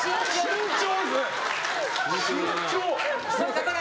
慎重。